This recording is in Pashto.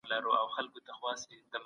د عامه شتمنيو زيانمنول ستر ملي خيانت دی.